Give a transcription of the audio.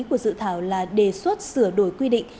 của dự thảo là đề xuất sửa đổi quy định